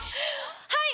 はい！